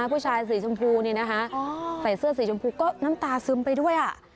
ผู้ชายสีชมพูนี่นะคะใส่เสื้อสีชมพูก็น้ำตาซึมไปด้วยอ่ะ